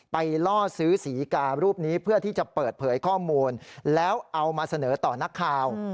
ล่อซื้อศรีการูปนี้เพื่อที่จะเปิดเผยข้อมูลแล้วเอามาเสนอต่อนักข่าว